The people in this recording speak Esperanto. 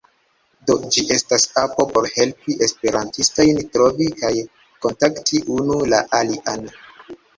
Do, ĝi estas apo por helpi esperantistojn trovi kaj kontakti unu la alian.